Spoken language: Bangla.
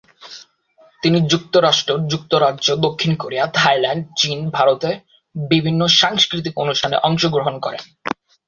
তিনি যুক্তরাষ্ট্র, যুক্তরাজ্য, দক্ষিণ কোরিয়া, থাইল্যান্ড, চীন, ভারতে বিভিন্ন সাংস্কৃতিক অনুষ্ঠানে অংশগ্রহণ করেন।